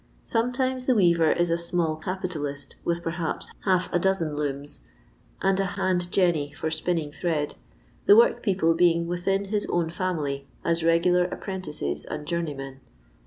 Sometimes the weaver is a small capitalist with perhaps half a dozen looms, and a hand jenny for spinning thread, the workpeople being within his own fiunily as regular apprentices and journeymen.'